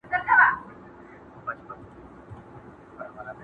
پولادي قوي منګول تېره موښکه,